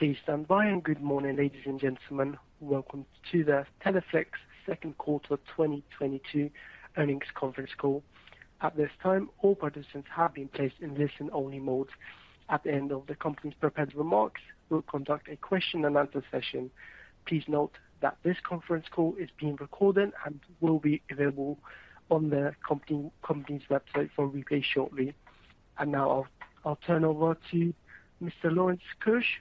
Please stand by, and good morning, ladies and gentlemen. Welcome to the Teleflex second quarter 2022 earnings conference call. At this time, all participants have been placed in listen-only mode. At the end of the company's prepared remarks, we'll conduct a question-and-answer session. Please note that this conference call is being recorded and will be available on the company's website for replay shortly. Now I'll turn over to Mr. Lawrence Keusch,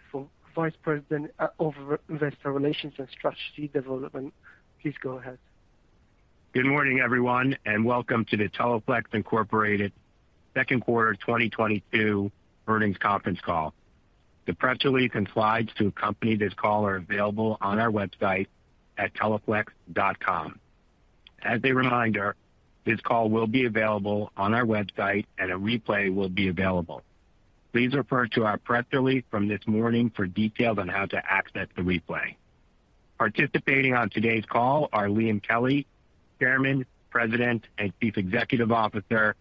Vice President of Investor Relations and Strategy Development. Please go ahead. Good morning, everyone, and welcome to the Teleflex Incorporated second quarter 2022 earnings conference call. The press release and slides to accompany this call are available on our website at teleflex.com. As a reminder, this call will be available on our website, and a replay will be available. Please refer to our press release from this morning for details on how to access the replay. Participating on today's call are Liam Kelly, Chairman, President, and Chief Executive Officer,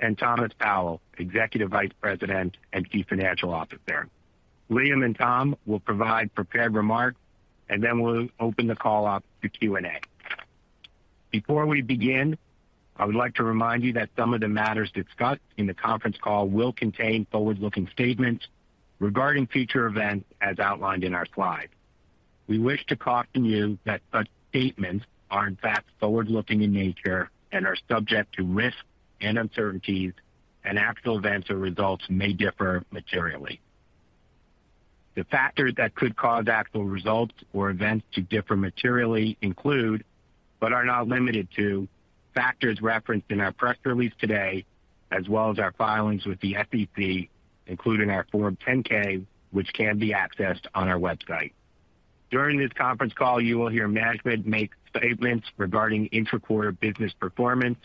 and Thomas Powell, Executive Vice President and Chief Financial Officer. Liam and Tom will provide prepared remarks, and then we'll open the call up to Q&A. Before we begin, I would like to remind you that some of the matters discussed in the conference call will contain forward-looking statements regarding future events as outlined in our slide. We wish to caution you that such statements are, in fact, forward-looking in nature and are subject to risks and uncertainties, and actual events or results may differ materially. The factors that could cause actual results or events to differ materially include, but are not limited to, factors referenced in our press release today, as well as our filings with the SEC, including our Form 10-K, which can be accessed on our website. During this conference call, you will hear management make statements regarding intra-quarter business performance.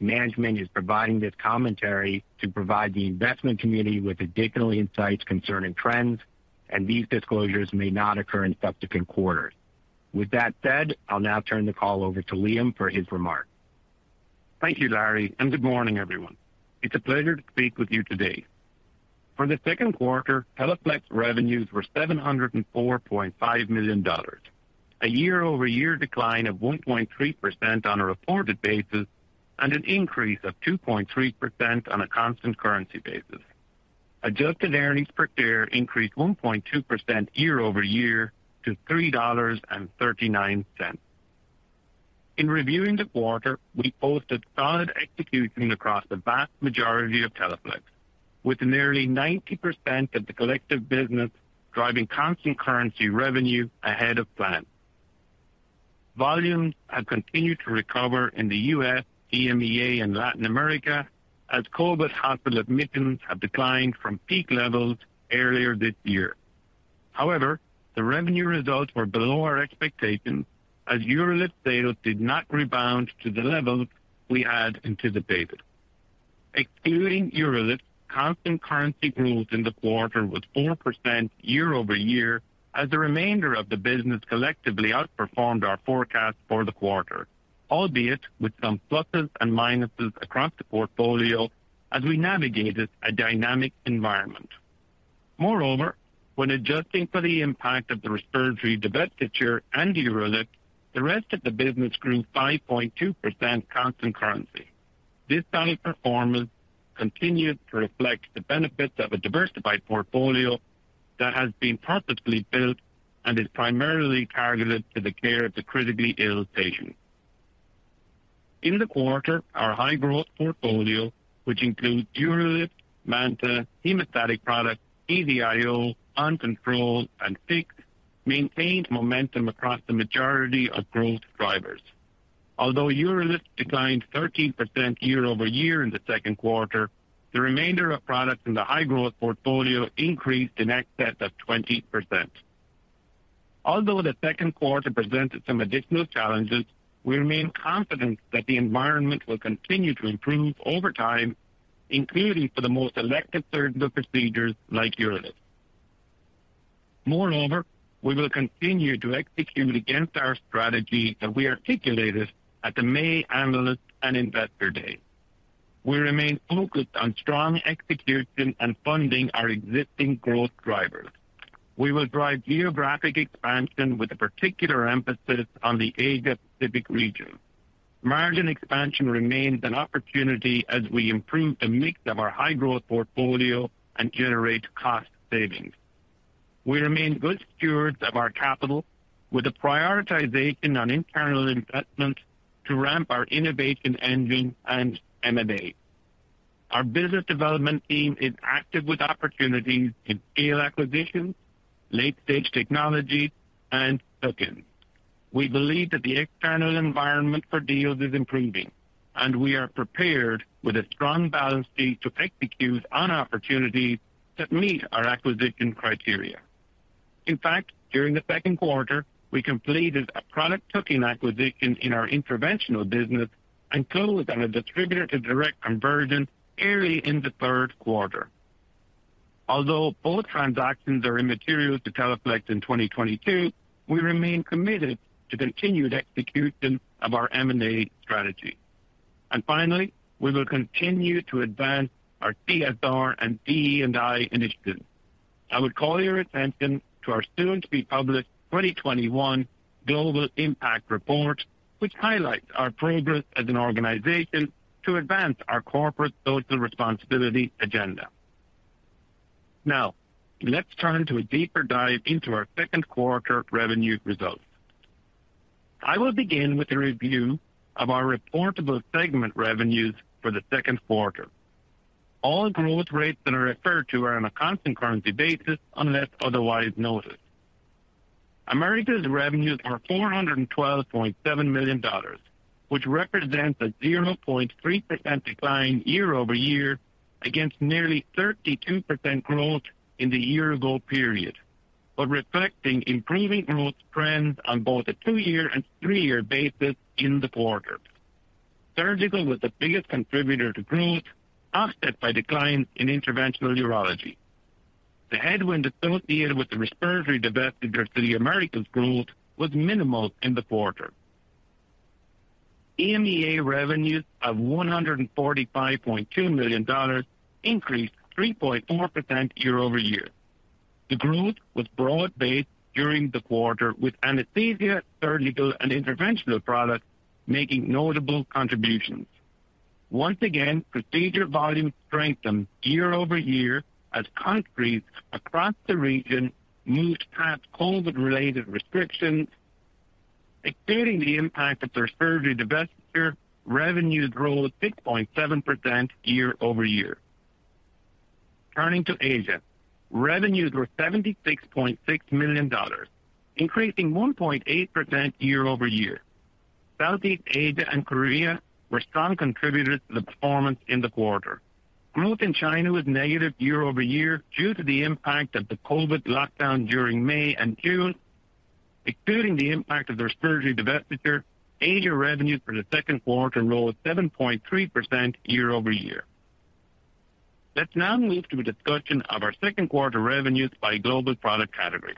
Management is providing this commentary to provide the investment community with additional insights concerning trends, and these disclosures may not occur in subsequent quarters. With that said, I'll now turn the call over to Liam for his remarks. Thank you, Larry, and good morning, everyone. It's a pleasure to speak with you today. For the second quarter, Teleflex revenues were $704.5 million, a year-over-year decline of 1.3% on a reported basis and an increase of 2.3% on a constant currency basis. Adjusted earnings per share increased 1.2% year-over-year to $3.39. In reviewing the quarter, we posted solid execution across the vast majority of Teleflex, with nearly 90% of the collective business driving constant currency revenue ahead of plan. Volumes have continued to recover in the US, EMEA, and Latin America as COVID hospital admissions have declined from peak levels earlier this year. However, the revenue results were below our expectations as UroLift sales did not rebound to the levels we had anticipated. Excluding UroLift, constant currency growth in the quarter was 4% year-over-year as the remainder of the business collectively outperformed our forecast for the quarter, albeit with some pluses and minuses across the portfolio as we navigated a dynamic environment. Moreover, when adjusting for the impact of the respiratory divestiture and UroLift, the rest of the business grew 5.2% constant currency. This solid performance continues to reflect the benefits of a diversified portfolio that has been purposefully built and is primarily targeted to the care of the critically ill patient. In the quarter, our high-growth portfolio, which includes UroLift, MANTA, hemostatic products, EZ-IO, OnControl, and QuikClot, maintained momentum across the majority of growth drivers. Although UroLift declined 13% year-over-year in the second quarter, the remainder of products in the high-growth portfolio increased in excess of 20%. Although the second quarter presented some additional challenges, we remain confident that the environment will continue to improve over time, including for the most elective surgical procedures like UroLift. Moreover, we will continue to execute against our strategy that we articulated at the May Analyst and Investor Day. We remain focused on strong execution and funding our existing growth drivers. We will drive geographic expansion with a particular emphasis on the Asia Pacific region. Margin expansion remains an opportunity as we improve the mix of our high-growth portfolio and generate cost savings. We remain good stewards of our capital with a prioritization on internal investments to ramp our innovation engine and M&A. Our business development team is active with opportunities in scale acquisitions, late-stage technology, and tuck-ins. We believe that the external environment for deals is improving, and we are prepared with a strong balance sheet to execute on opportunities that meet our acquisition criteria. In fact, during the second quarter, we completed a tuck-in acquisition in our interventional business and closed on a distributor-to-direct conversion early in the third quarter. Although both transactions are immaterial to Teleflex in 2022, we remain committed to continued execution of our M&A strategy. Finally, we will continue to advance our CSR and DE&I initiatives. I would call your attention to our soon-to-be-published 2021 Global Impact Report, which highlights our progress as an organization to advance our corporate social responsibility agenda. Now, let's turn to a deeper dive into our second quarter revenue results. I will begin with a review of our reportable segment revenues for the second quarter. All growth rates that are referred to are on a constant currency basis unless otherwise noted. Americas revenues were $412.7 million, which represents a 0.3% decline year-over-year against nearly 32% growth in the year-ago period, but reflecting improving growth trends on both a two-year and three-year basis in the quarter. Surgical was the biggest contributor to growth, offset by declines in Interventional neurology. The headwind associated with the respiratory divestiture to the Americas growth was minimal in the quarter. EMEA revenues of $145.2 million increased 3.4% year-over-year. The growth was broad-based during the quarter, with anesthesia, surgical, and interventional products making notable contributions. Once again, procedure volumes strengthened year-over-year as countries across the region moved past COVID-related restrictions. Excluding the impact of the surgery divestiture, revenues rose 6.7% year-over-year. Turning to Asia. Revenues were $76.6 million, increasing 1.8% year-over-year. Southeast Asia and Korea were strong contributors to the performance in the quarter. Growth in China was negative year-over-year due to the impact of the COVID lockdown during May and June. Excluding the impact of the surgery divestiture, Asia revenues for the second quarter rose 7.3% year-over-year. Let's now move to a discussion of our second quarter revenues by global product category.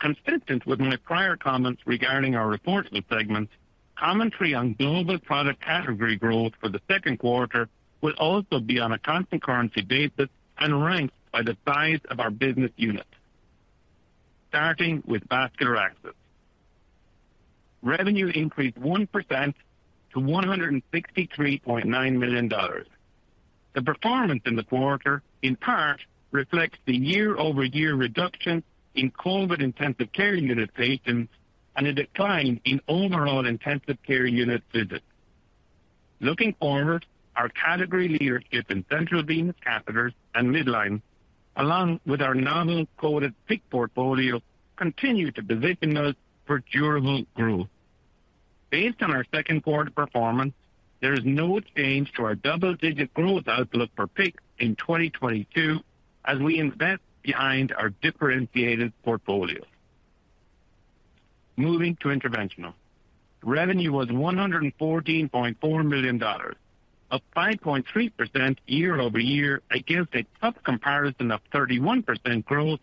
Consistent with my prior comments regarding our reportable segments, commentary on global product category growth for the second quarter will also be on a constant currency basis and ranked by the size of our business unit. Starting with vascular access. Revenue increased 1% to $163.9 million. The performance in the quarter in part reflects the year-over-year reduction in COVID intensive care unit patients and a decline in overall intensive care unit visits. Looking forward, our category leadership in central venous catheters and midlines, along with our novel coated PICC portfolio, continue to position us for durable growth. Based on our second quarter performance, there is no change to our double-digit growth outlook for PICC in 2022 as we invest behind our differentiated portfolio. Moving to interventional. Revenue was $114.4 million, up 5.3% year-over-year against a tough comparison of 31% growth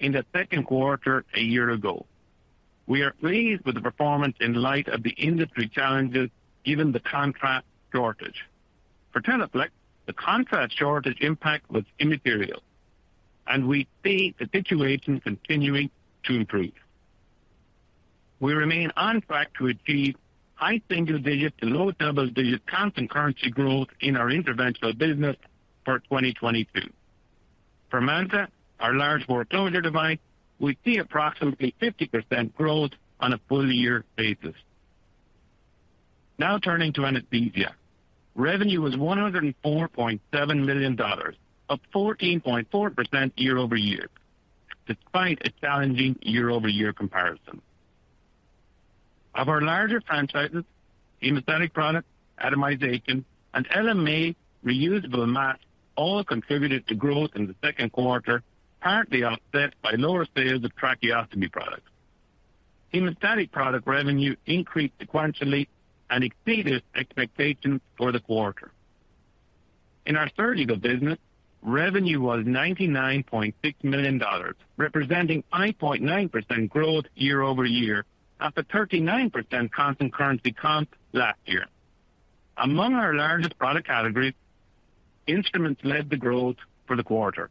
in the second quarter a year ago. We are pleased with the performance in light of the industry challenges given the contrast shortage. For Teleflex, the contrast shortage impact was immaterial, and we see the situation continuing to improve. We remain on track to achieve high single-digit to low double-digit constant currency growth in our interventional business for 2022. For MANTA, our large bore closure device, we see approximately 50% growth on a full-year basis. Now turning to anesthesia. Revenue was $104.7 million, up 14.4% year-over-year, despite a challenging year-over-year comparison. Of our larger franchises, hemostatic products, atomization, and LMA reusable masks all contributed to growth in the second quarter, partly offset by lower sales of tracheostomy products. Hemostatic product revenue increased sequentially and exceeded expectations for the quarter. In our surgical business, revenue was $99.6 million, representing 5.9% growth year-over-year after 39% constant currency comp last year. Among our largest product categories, instruments led the growth for the quarter.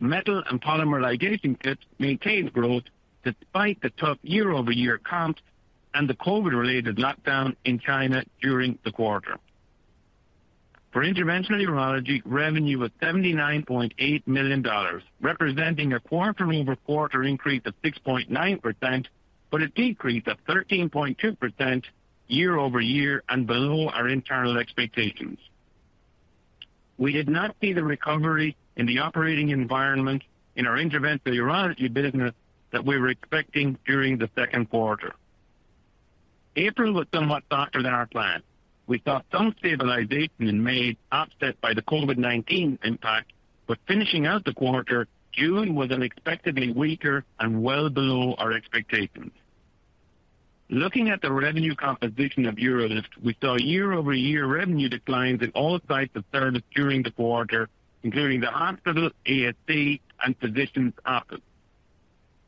Metal and polymer ligation kits maintained growth despite the tough year-over-year comps and the COVID-related lockdown in China during the quarter. For interventional urology, revenue was $79.8 million, representing a quarter-over-quarter increase of 6.9%, but a decrease of 13.2% year over year and below our internal expectations. We did not see the recovery in the operating environment in our interventional urology business that we were expecting during the second quarter. April was somewhat softer than our plan. We saw some stabilization in May, offset by the COVID-19 impact, but finishing out the quarter, June was unexpectedly weaker and well below our expectations. Looking at the revenue composition of UroLift, we saw year-over-year revenue declines in all sites of service during the quarter, including the hospital, ASC, and physician's office.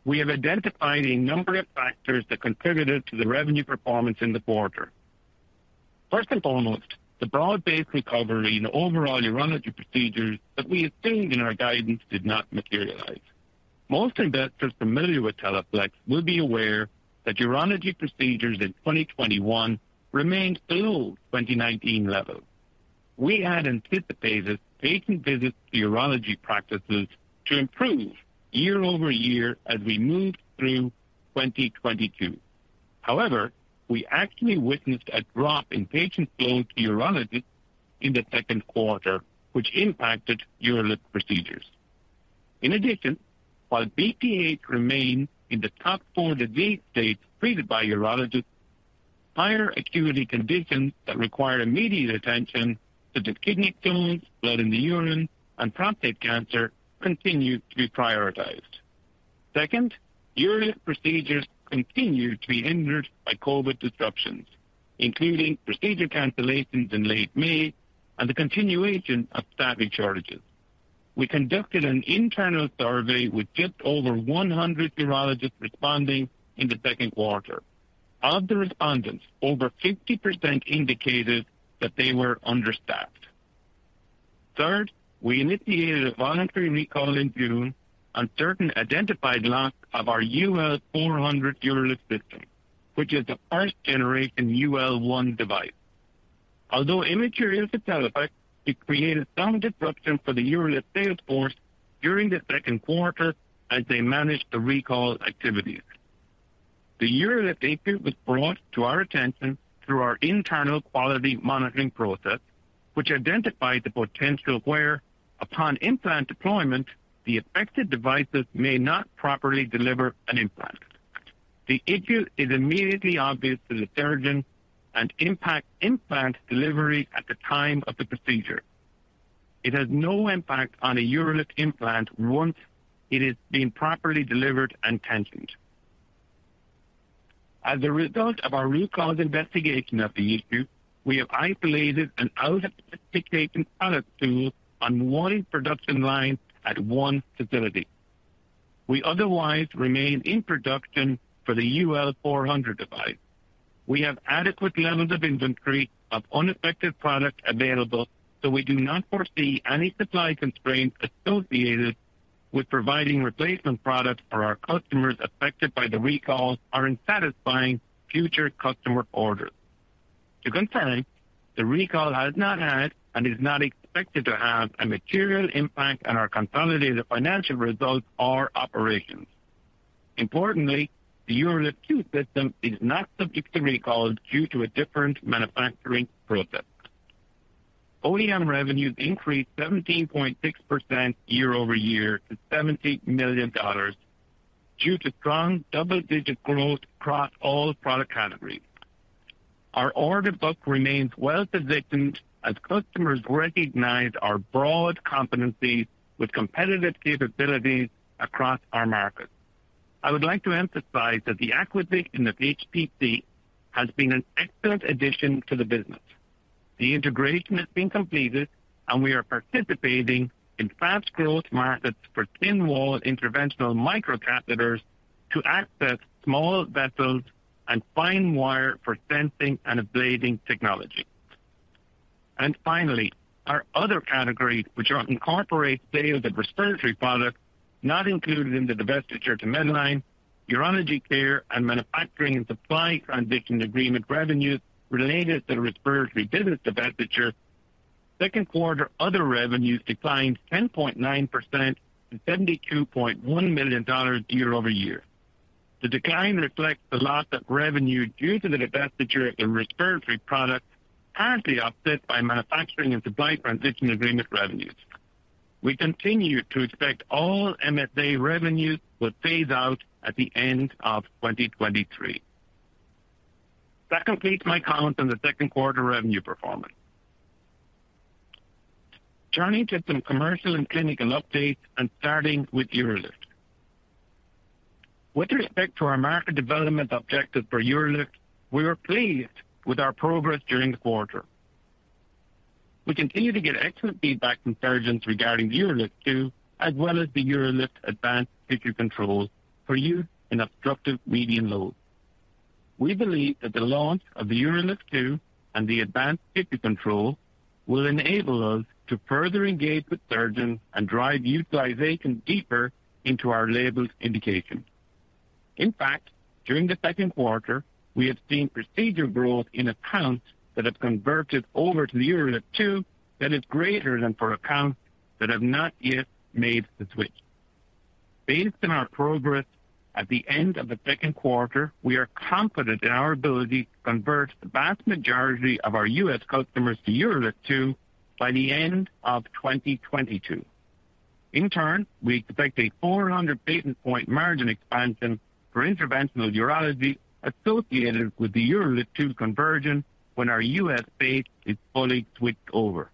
We have identified a number of factors that contributed to the revenue performance in the quarter. First and foremost, the broad-based recovery in overall urology procedures that we had seen in our guidance did not materialize. Most investors familiar with Teleflex will be aware that urology procedures in 2021 remained below 2019 levels. We had anticipated patient visits to urology practices to improve year-over-year as we moved through 2022. However, we actually witnessed a drop in patient flow to urology in the second quarter, which impacted UroLift procedures. In addition, while BPH remained in the top four disease states treated by urologists, higher acuity conditions that require immediate attention, such as kidney stones, blood in the urine, and prostate cancer, continued to be prioritized. Second, UroLift procedures continued to be hindered by COVID disruptions, including procedure cancellations in late May and the continuation of staffing shortages. We conducted an internal survey with just over 100 urologists responding in the second quarter. Of the respondents, over 50% indicated that they were understaffed. Third, we initiated a voluntary recall in June on certain identified lots of our UL400 UroLift System, which is the first generation UL1 device. Although immaterial to Teleflex, it created some disruption for the UroLift sales force during the second quarter as they managed the recall activities. The UroLift issue was brought to our attention through our internal quality monitoring process, which identified the potential where, upon implant deployment, the affected devices may not properly deliver an implant. The issue is immediately obvious to the surgeon and impacts implant delivery at the time of the procedure. It has no impact on a UroLift implant once it has been properly delivered and tensioned. As a result of our root cause investigation of the issue, we have isolated an out-of-specification product tool on one production line at one facility. We otherwise remain in production for the UL400 device. We have adequate levels of inventory of unaffected products available, so we do not foresee any supply constraints associated with providing replacement products for our customers affected by the recall or in satisfying future customer orders. To confirm, the recall has not had and is not expected to have a material impact on our consolidated financial results or operations. Importantly, the UroLift 2 System is not subject to recall due to a different manufacturing process. OEM revenues increased 17.6% year-over-year to $70 million due to strong double-digit growth across all product categories. Our order book remains well positioned as customers recognize our broad competencies with competitive capabilities across our markets. I would like to emphasize that the acquisition of HPC has been an excellent addition to the business. The integration has been completed, and we are participating in fast growth markets for thin wall interventional micro catheters to access small vessels and fine wire for sensing and ablating technology. Finally, our other categories which incorporates sales of respiratory products not included in the divestiture to Medline, urology care, and manufacturing and supply transition agreement revenues related to the respiratory business divestiture. Second quarter other revenues declined 10.9% to $72.1 million year-over-year. The decline reflects the loss of revenue due to the divestiture of the respiratory products, partly offset by manufacturing and supply transition agreement revenues. We continue to expect all MSA revenues will phase out at the end of 2023. That completes my comments on the second quarter revenue performance. Turning to some commercial and clinical updates and starting with UroLift. With respect to our market development objective for UroLift, we were pleased with our progress during the quarter. We continue to get excellent feedback from surgeons regarding the UroLift 2 as well as the UroLift Advanced Tissue Control for use in obstructive median lobe. We believe that the launch of the UroLift 2 and the Advanced Tissue Control will enable us to further engage with surgeons and drive utilization deeper into our labeled indications. In fact, during the second quarter, we have seen procedure growth in accounts that have converted over to the UroLift 2 that is greater than for accounts that have not yet made the switch. Based on our progress at the end of the second quarter, we are confident in our ability to convert the vast majority of our U.S. customers to UroLift 2 by the end of 2022. In turn, we expect a 400 basis point margin expansion for interventional urology associated with the UroLift 2 conversion when our U.S. base is fully switched over.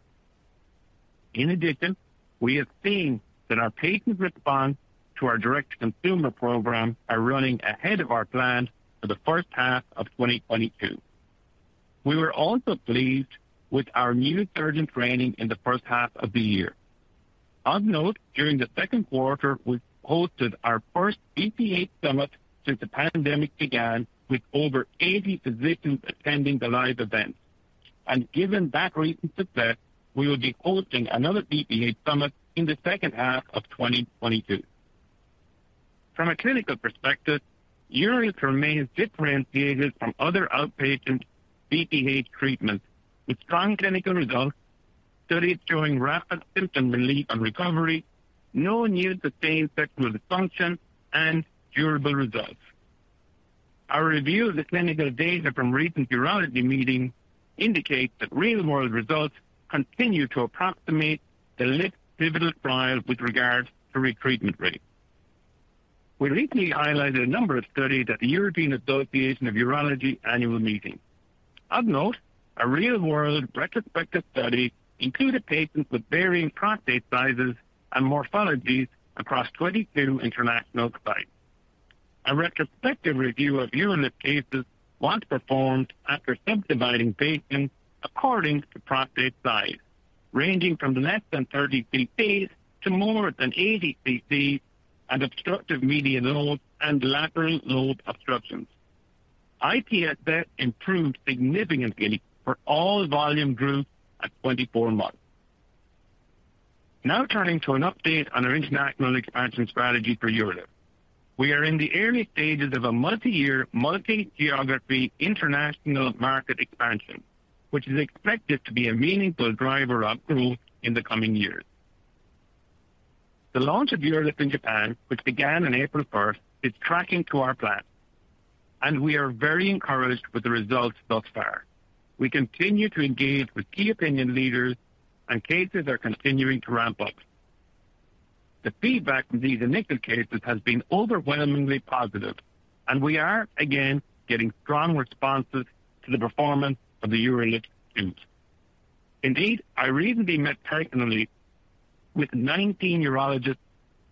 In addition, we have seen that our patient response to our direct-to-consumer program are running ahead of our plans for the first half of 2022. We were also pleased with our new surgeon training in the first half of the year. Of note, during the second quarter, we hosted our first BPH summit since the pandemic began, with over 80 physicians attending the live event. Given that recent success, we will be hosting another BPH summit in the second half of 2022. From a clinical perspective, UroLift remains differentiated from other outpatient BPH treatments, with strong clinical results, studies showing rapid symptom relief and recovery, no new sustained sexual dysfunction, and durable results. Our review of the clinical data from recent urology meetings indicates that real-world results continue to approximate the UroLift pivotal trial with regard to retreatment rate. We recently highlighted a number of studies at the European Association of Urology annual meeting. Of note, a real-world retrospective study included patients with varying prostate sizes and morphologies across 22 international sites. A retrospective review of UroLift cases was performed after subdividing patients according to prostate size, ranging from less than 30 CCs to more than 80 CCs, and obstructive median lobe and lateral lobe obstructions. IPSS improved significantly for all volume groups at 24 months. Now turning to an update on our international expansion strategy for UroLift. We are in the early stages of a multi-year, multi-geography international market expansion, which is expected to be a meaningful driver of growth in the coming years. The launch of UroLift in Japan, which began on April 1st, is tracking to our plan, and we are very encouraged with the results thus far. We continue to engage with key opinion leaders, and cases are continuing to ramp up. The feedback from these initial cases has been overwhelmingly positive, and we are again getting strong responses to the performance of the UroLift loops. Indeed, I recently met personally with 19 urologists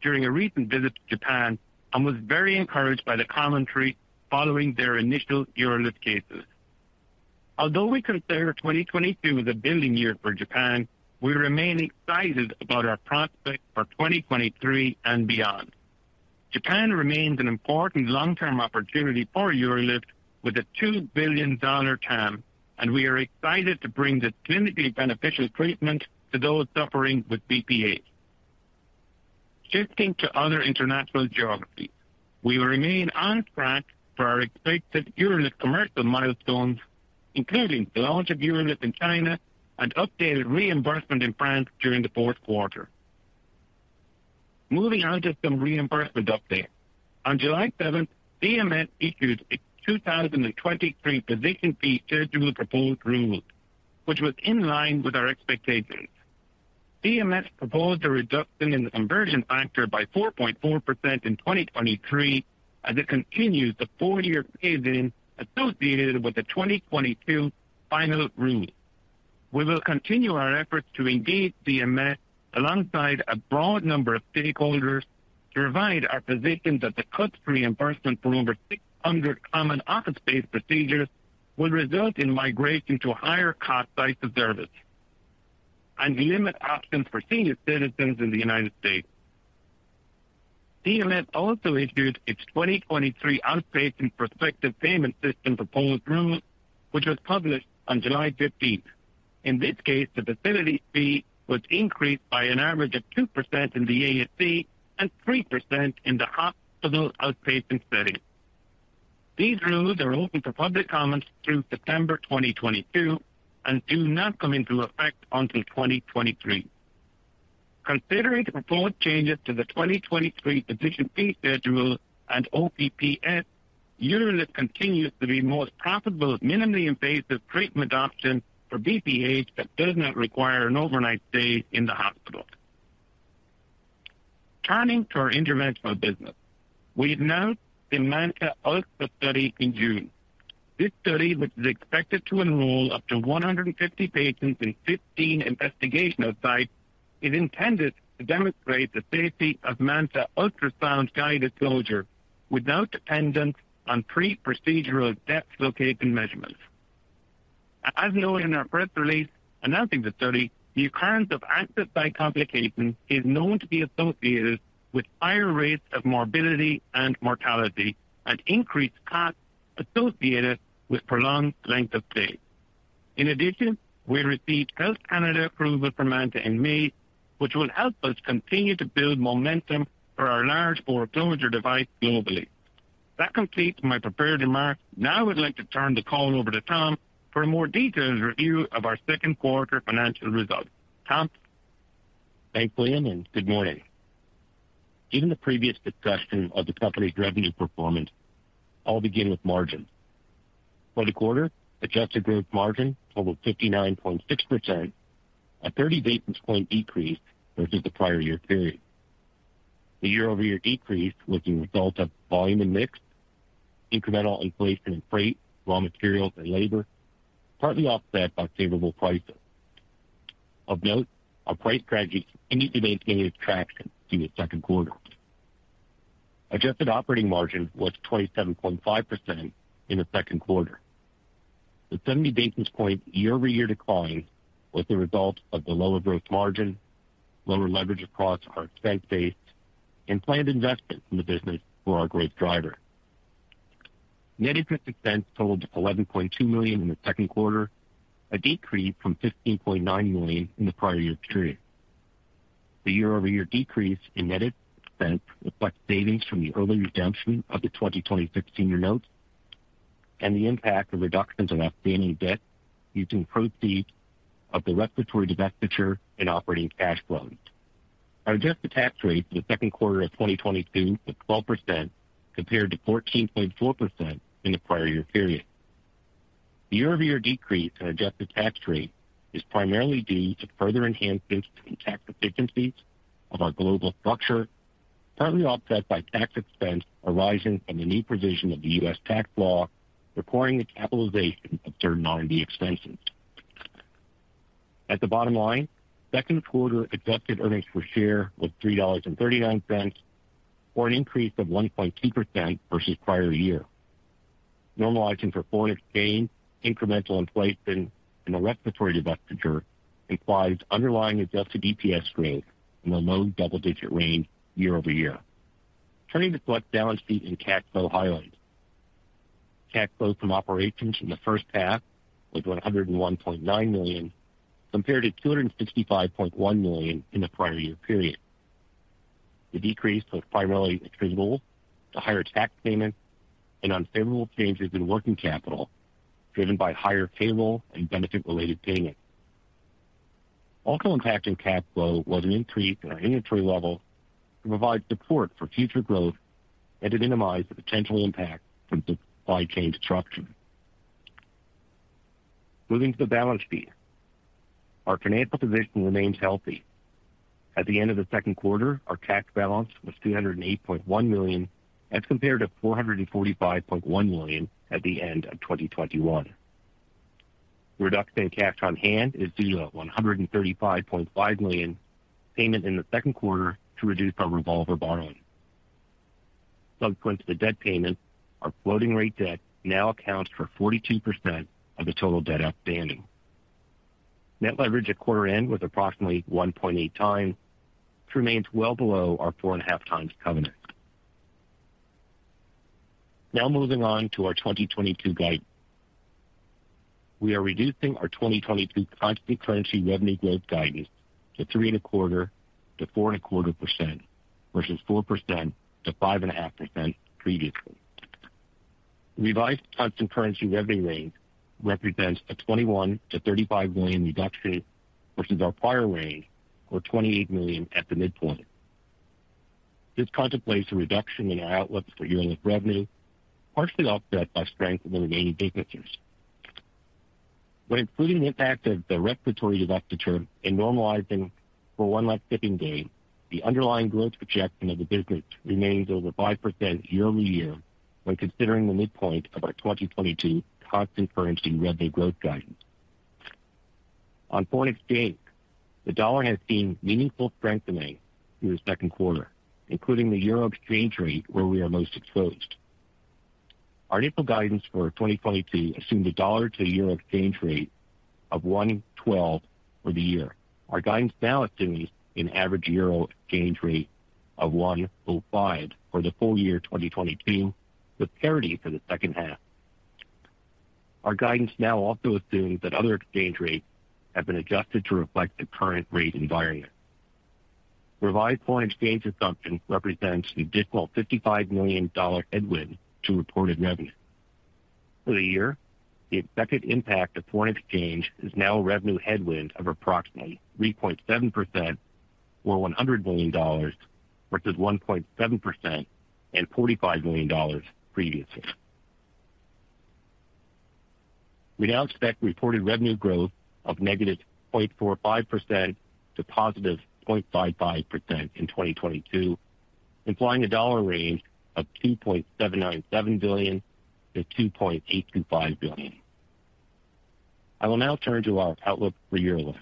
during a recent visit to Japan and was very encouraged by the commentary following their initial UroLift cases. Although we consider 2022 as a building year for Japan, we remain excited about our prospects for 2023 and beyond. Japan remains an important long-term opportunity for UroLift with a $2 billion TAM, and we are excited to bring this clinically beneficial treatment to those suffering with BPH. Shifting to other international geographies. We remain on track for our expected UroLift commercial milestones, including the launch of UroLift in China and updated reimbursement in France during the fourth quarter. Moving on to some reimbursement updates. On July 7, CMS issued its 2023 physician fee schedule proposed rule, which was in line with our expectations. CMS proposed a reduction in the conversion factor by 4.4% in 2023 as it continues the four-year phase-in associated with the 2022 final rule. We will continue our efforts to engage CMS alongside a broad number of stakeholders to remind our physicians that the cuts to reimbursement for over 600 common office-based procedures will result in migration to higher-cost sites of service and limit options for senior citizens in the United States. CMS also issued its 2023 outpatient prospective payment system proposed rule, which was published on July 15. In this case, the facility fee was increased by an average of 2% in the ASC and 3% in the hospital outpatient setting. These rules are open for public comment through September 2022 and do not come into effect until 2023. Considering the proposed changes to the 2023 physician fee schedule and OPPS, UroLift continues to be the most profitable minimally invasive treatment option for BPH that does not require an overnight stay in the hospital. Turning to our interventional business. We announced the MANTA Ultra Study in June. This study, which is expected to enroll up to 150 patients in 15 investigational sites, is intended to demonstrate the safety of MANTA ultrasound-guided closure with no dependence on pre-procedural depth location measurements. As noted in our press release announcing the study, the occurrence of access site complications is known to be associated with higher rates of morbidity and mortality and increased costs associated with prolonged length of stay. In addition, we received Health Canada approval for MANTA in May, which will help us continue to build momentum for our large bore closure device globally. That completes my prepared remarks. Now I would like to turn the call over to Tom for a more detailed review of our second quarter financial results. Tom? Thanks, Liam, and good morning. Given the previous discussion of the company's revenue performance, I'll begin with margin. For the quarter, Adjusted Gross Margin totaled 59.6%, a 30 basis point decrease versus the prior year period. The year-over-year decrease was a result of volume and mix, incremental inflation in freight, raw materials, and labor, partly offset by favorable pricing. Of note, our price strategy continued to gain traction through the second quarter. Adjusted operating margin was 27.5% in the second quarter. The 70 basis point year-over-year decline was the result of the lower gross margin, lower leverage across our expense base, and planned investment in the business for our growth driver. Net interest expense totaled $11.2 million in the second quarter, a decrease from $15.9 million in the prior year period. The year-over-year decrease in net interest expense reflects savings from the early redemption of the 2025-year notes and the impact of reductions of outstanding debt using proceeds of the respiratory divestiture and operating cash flows. Our Adjusted Tax Rate for the second quarter of 2022 was 12% compared to 14.4% in the prior year period. The year-over-year decrease in Adjusted Tax Rate is primarily due to further enhancements in tax efficiencies of our global structure, partly offset by tax expense arising from the new provision of the U.S. tax law requiring the capitalization of certain R&D expenses. At the bottom line, second quarter adjusted earnings per share was $3.39, or an increase of 1.2% versus prior year. Normalizing for foreign exchange, incremental inflation, and the respiratory divestiture implies underlying Adjusted EPS growth in the low double-digit range year-over-year. Turning to select balance sheet and cash flow highlights. Cash flow from operations in the first half was $101.9 million, compared to $265.1 million in the prior year period. The decrease was primarily attributable to higher tax payments and unfavorable changes in working capital, driven by higher payable and benefit-related payments. Also impacting cash flow was an increase in our inventory level to provide support for future growth and to minimize the potential impact from the supply chain disruption. Moving to the balance sheet. Our financial position remains healthy. At the end of the second quarter, our cash balance was $208.1 million as compared to $445.1 million at the end of 2021. Reduction in cash on hand is due to $135.5 million payment in the second quarter to reduce our revolver borrowing. Subsequent to the debt payment, our floating rate debt now accounts for 42% of the total debt outstanding. Net leverage at quarter end was approximately 1.8x, which remains well below our 4.5x covenant. Now moving on to our 2022 guidance. We are reducing our 2022 constant currency revenue growth guidance to 3.25%-4.25% versus 4%-5.5% previously. Revised constant currency revenue range represents a $21 million-$35 million reduction versus our prior range or $28 million at the midpoint. This contemplates a reduction in our outlook for UroLift revenue, partially offset by strength in the remaining businesses. When including the impact of the respiratory divestiture and normalizing for one less shipping day, the underlying growth projection of the business remains over 5% year-over-year when considering the midpoint of our 2022 constant currency revenue growth guidance. On foreign exchange, the dollar has seen meaningful strengthening through the second quarter, including the euro exchange rate where we are most exposed. Our annual guidance for 2022 assumed a dollar-to-euro exchange rate of 1.12 for the year. Our guidance now assumes an average euro exchange rate of 1.05 for the full-year 2022, with parity for the second half. Our guidance now also assumes that other exchange rates have been adjusted to reflect the current rate environment. Revised foreign exchange assumptions represents an additional $55 million headwind to reported revenue. For the year, the expected impact of foreign exchange is now a revenue headwind of approximately 3.7% or $100 million versus 1.7% and $45 million previously. We now expect reported revenue growth of -0.45% to +0.55% in 2022, implying a dollar range of $2.797 billion-$2.825 billion. I will now turn to our outlook for UroLift.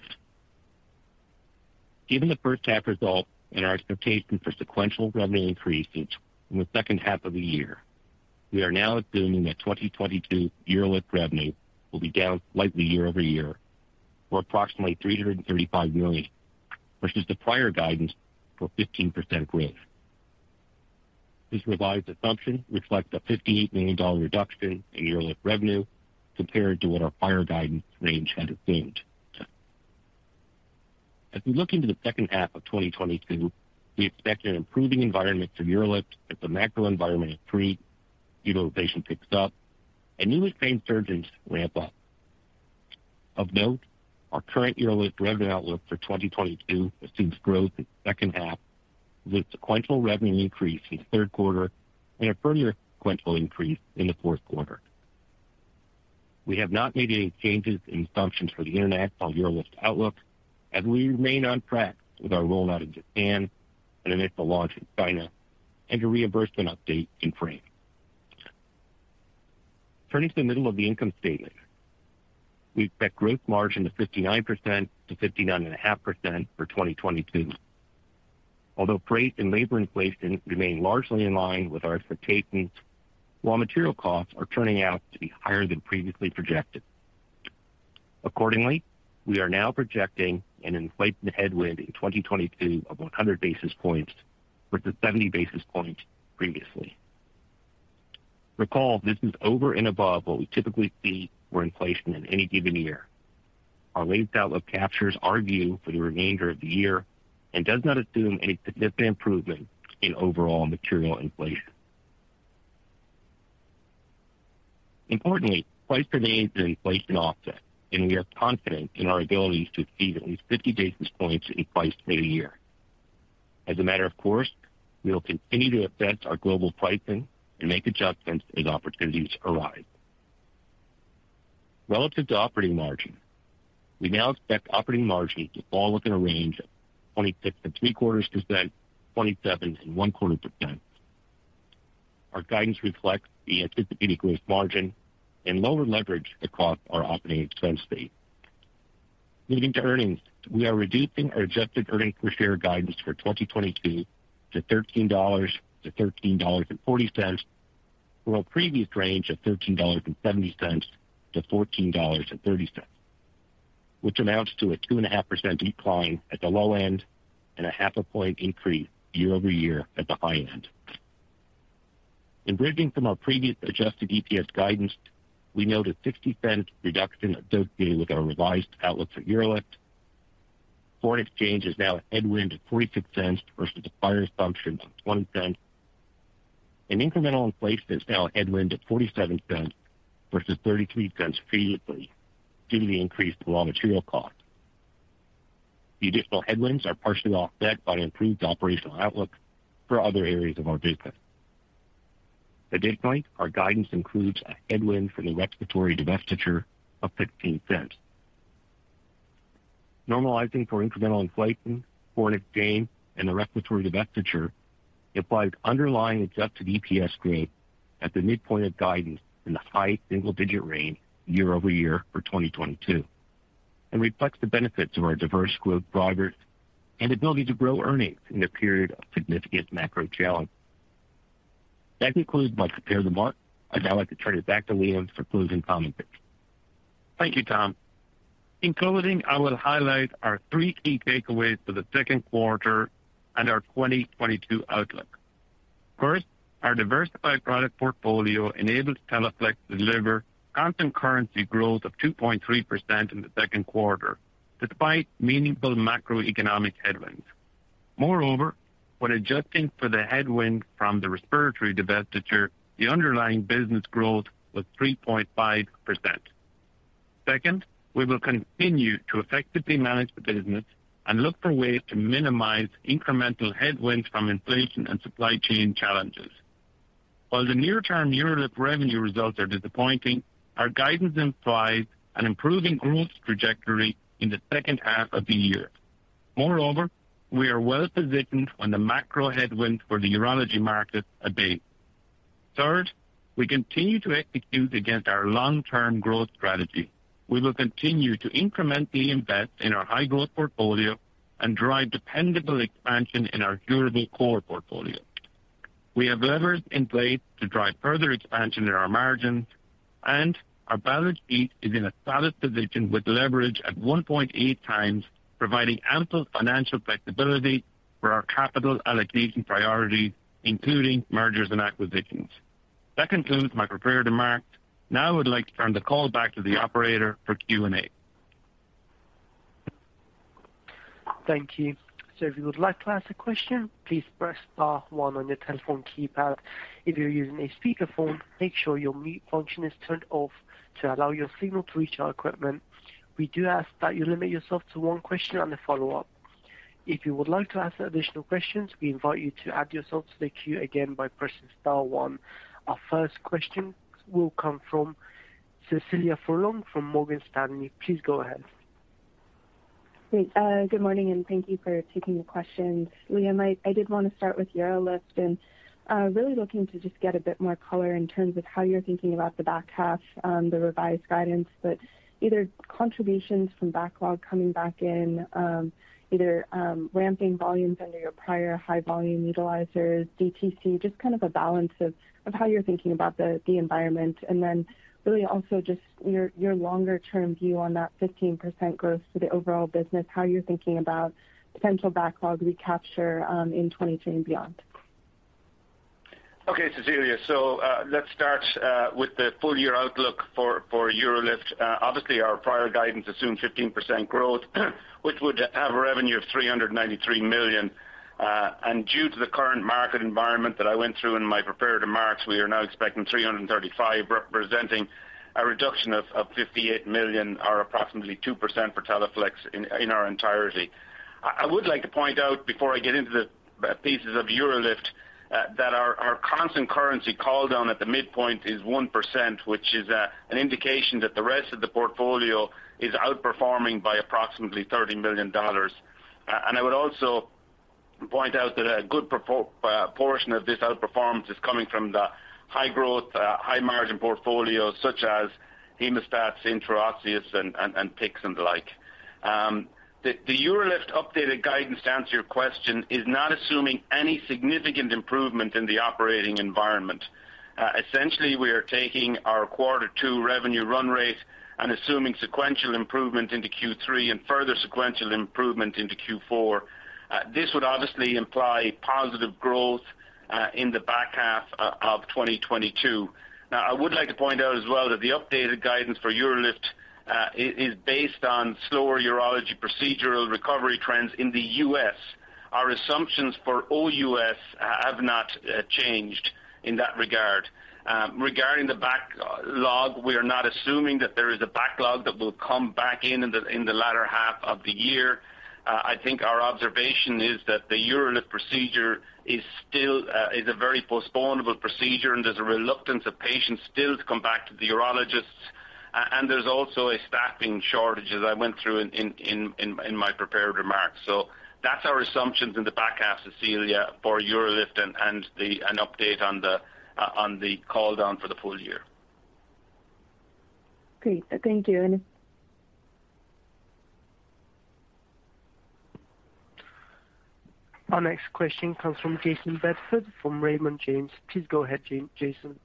Given the first half result and our expectation for sequential revenue increases in the second half of the year, we are now assuming that 2022 UroLift revenue will be down slightly year-over-year or approximately $335 million versus the prior guidance for 15% growth. This revised assumption reflects a $58 million reduction in UroLift revenue compared to what our prior guidance range had assumed. As we look into the second half of 2022, we expect an improving environment for UroLift if the macro environment improves, utilization picks up, and new exchange surgeons ramp up. Of note, our current UroLift revenue outlook for 2022 assumes growth in the second half with sequential revenue increase in the third quarter and a further sequential increase in the fourth quarter. We have not made any changes in assumptions for the international UroLift outlook as we remain on track with our rollout in Japan and initial launch in China and a reimbursement update in France. Turning to the middle of the income statement. We expect gross margin of 59%-59.5% for 2022. Although freight and labor inflation remain largely in line with our expectations, raw material costs are turning out to be higher than previously projected. Accordingly, we are now projecting an inflation headwind in 2022 of 100 basis points versus 70 basis points previously. Recall, this is over and above what we typically see for inflation in any given year. Our outlook captures our view for the remainder of the year and does not assume any significant improvement in overall material inflation. Importantly, price remains an inflation offset, and we are confident in our ability to achieve at least 50 basis points in price for the year. As a matter of course, we will continue to assess our global pricing and make adjustments as opportunities arise. Relative to operating margin, we now expect operating margin to fall within a range of 26.75%-27.25%. Our guidance reflects the anticipated growth margin and lower leverage across our operating expense base. Leading to earnings, we are reducing our adjusted earnings per share guidance for 2022 to $13-$13.40 from a previous range of $13.70-$14.30, which amounts to a 2.5% decline at the low end and a 0.5-point increase year-over-year at the high end. In bridging from our previous Adjusted EPS guidance, we note a $0.60 reduction associated with our revised outlook for UroLift. Foreign exchange is now a headwind of $0.46 versus the prior assumption of $0.20. Incremental inflation is now a headwind of $0.47 versus $0.33 previously due to the increased raw material cost. The additional headwinds are partially offset by improved operational outlook for other areas of our business. At this point, our guidance includes a headwind for the respiratory divestiture of $0.15. Normalizing for incremental inflation, foreign exchange, and the respiratory divestiture implies underlying Adjusted EPS growth at the midpoint of guidance in the high single-digit range year-over-year for 2022, and reflects the benefits of our diverse group of products and ability to grow earnings in a period of significant macro challenge. That concludes my prepared remarks. I'd now like to turn it back to Liam for closing comments. Thank you, Tom. In closing, I will highlight our three key takeaways for the second quarter and our 2022 outlook. First, our diversified product portfolio enabled Teleflex to deliver constant currency growth of 2.3% in the second quarter, despite meaningful macroeconomic headwinds. Moreover, when adjusting for the headwind from the respiratory divestiture, the underlying business growth was 3.5%. Second, we will continue to effectively manage the business and look for ways to minimize incremental headwinds from inflation and supply chain challenges. While the near-term UroLift revenue results are disappointing, our guidance implies an improving growth trajectory in the second half of the year. Moreover, we are well positioned when the macro headwinds for the urology market abate. Third, we continue to execute against our long-term growth strategy. We will continue to incrementally invest in our high-growth portfolio and drive dependable expansion in our durable core portfolio. We have levers in place to drive further expansion in our margins, and our balance sheet is in a solid position with leverage at 1.8x, providing ample financial flexibility for our capital allocation priorities, including mergers and acquisitions. That concludes my prepared remarks. Now I would like to turn the call back to the operator for Q&A. Thank you. If you would like to ask a question, please press star one on your telephone keypad. If you're using a speakerphone, make sure your mute function is turned off to allow your signal to reach our equipment. We do ask that you limit yourself to one question and a follow-up. If you would like to ask additional questions, we invite you to add yourself to the queue again by pressing star one. Our first question will come from Cecilia Furlong from Morgan Stanley. Please go ahead. Great. Good morning, and thank you for taking the questions. Liam, I did want to start with UroLift and really looking to just get a bit more color in terms of how you're thinking about the back half, the revised guidance, but either contributions from backlog coming back in, either ramping volumes under your prior high volume utilizers, DTC, just kind of a balance of how you're thinking about the environment. Really also just your longer-term view on that 15% growth for the overall business, how you're thinking about potential backlog recapture in 2022 and beyond. Okay, Cecilia. Let's start with the full-year outlook for UroLift. Obviously, our prior guidance assumed 15% growth, which would have revenue of $393 million. Due to the current market environment that I went through in my prepared remarks, we are now expecting $335 million, representing a reduction of $58 million or approximately 2% for Teleflex in our entirety. I would like to point out, before I get into the pieces of UroLift, that our constant currency call down at the midpoint is 1%, which is an indication that the rest of the portfolio is outperforming by approximately $30 million. Point out that a good portion of this outperformance is coming from the high growth, high-margin portfolios such as hemostats, intraosseous and PICCs and the like. The UroLift updated guidance, to answer your question, is not assuming any significant improvement in the operating environment. Essentially, we are taking our quarter two revenue run rate and assuming sequential improvement into Q3 and further sequential improvement into Q4. This would obviously imply positive growth in the back half of 2022. I would like to point out as well that the updated guidance for UroLift is based on slower urology procedural recovery trends in the U.S. Our assumptions for OUS have not changed in that regard. Regarding the backlog, we are not assuming that there is a backlog that will come back in the latter half of the year. I think our observation is that the UroLift procedure is still a very postponable procedure, and there's a reluctance of patients still to come back to the urologists. There's also a staffing shortage as I went through in my prepared remarks. That's our assumptions in the back half, Cecilia, for UroLift and an update on the call down for the full year. Great. Thank you. Our next question comes from Jayson Bedford from Raymond James. Please go ahead, Jayson.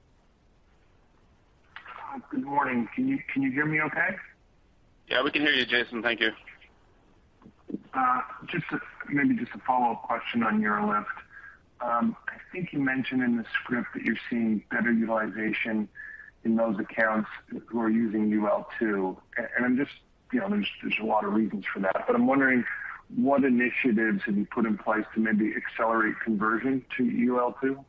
Good morning. Can you hear me okay? Yeah, we can hear you, Jayson. Thank you. Maybe just a follow-up question on UroLift. I think you mentioned in the script that you're seeing better utilization in those accounts who are using UL2. I'm just, you know, there's a lot of reasons for that, but I'm wondering what initiatives have you put in place to maybe accelerate conversion to UL2?